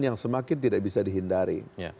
yang semakin tidak bisa dihindari